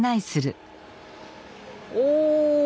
お！